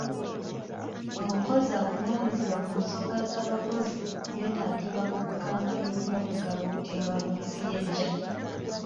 Omukozi avunaanyizibwa ku nsonga z'abakozi yeetaagibwa ku kampeyini y'okugaba obutimba bw'ensiri ejja.